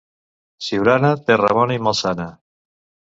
Siurana, terra bona i malsana.